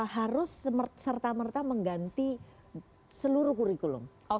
harus serta merta mengganti seluruh kurikulum